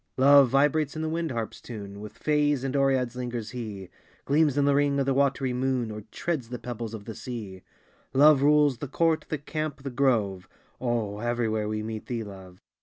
Love vibrates in the wind harp s tune With fays and oreads lingers he Gleams in th ring of the watery moon, Or treads the pebbles of the sea. Love rules " the court, the camp, the grove " Oh, everywhere we meet thee, Love